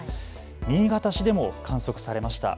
新潟市でも観測されました。